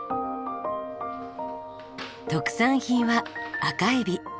特産品は赤エビ。